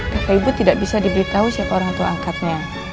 kakak ibu tidak bisa diberitahu siapa orang tua angkatnya